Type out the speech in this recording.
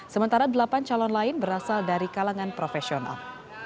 sementara delapan calon lain berasal dari kalangan profesional